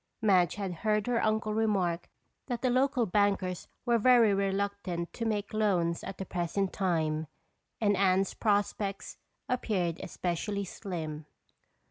Madge had heard her uncle remark that the local bankers were very reluctant to make loans at the present time and Anne's prospects appeared especially slim.